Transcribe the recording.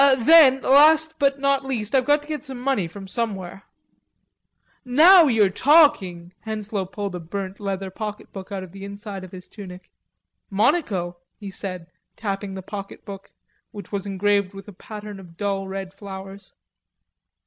"Then, last but not least, I've got to get some money from somewhere." "Now you're talking!" Henslowe pulled a burnt leather pocket book out of the inside of his tunic. "Monaco," he said, tapping the pocket book, which was engraved with a pattern of dull red flowers.